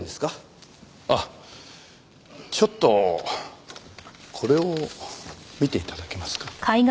あっちょっとこれを見て頂けますか？